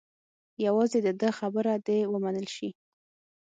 یوازې د ده خبره دې ومنل شي.